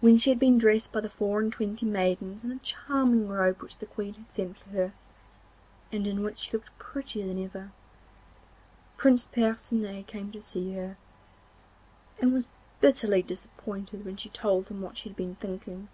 When she had been dressed by the four and twenty maidens in a charming robe which the Queen had sent for her, and in which she looked prettier than ever, Prince Percinet came to see her, and was bitterly disappointed when she told him what she had been thinking.